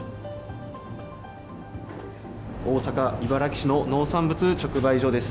大阪・茨木市の農産物直売所です。